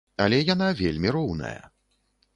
Але яна вельмі роўная.